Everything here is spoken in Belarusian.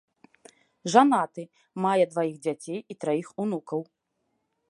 Жанаты, мае дваіх дзяцей і траіх унукаў.